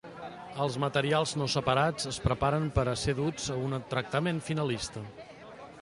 Els materials no separats es preparen per a ser duts a un tractament finalista.